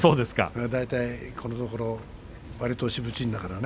大体このところわりとしぶちんだからね。